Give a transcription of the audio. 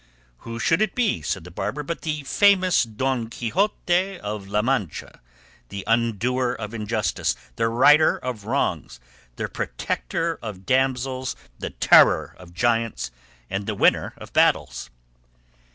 "Who should it be," said the barber, "but the famous Don Quixote of La Mancha, the undoer of injustice, the righter of wrongs, the protector of damsels, the terror of giants, and the winner of battles?"